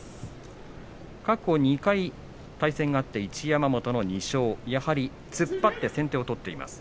過去２回対戦があって一山本の２勝、突っ張って先手を取っています。